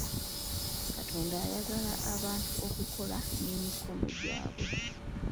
Katonda ayagala abantu okukola n'emikono gyabwe.